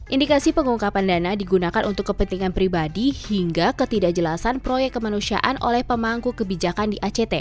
indikasi pengungkapan dana digunakan untuk kepentingan pribadi hingga ketidakjelasan proyek kemanusiaan oleh pemangku kebijakan di act